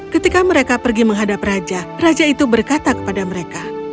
ketika mereka pergi menghadap raja raja itu berkata kepada mereka